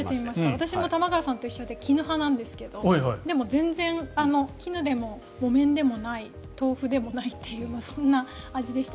私も玉川さんと一緒で絹派なんですけどでも全然、絹でも木綿でもない豆腐でもないというそんな味でした。